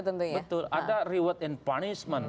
betul ada reward and punishment